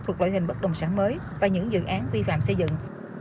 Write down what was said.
thuộc loại hình bất đồng sản mới và những dự án vi phạm xây dựng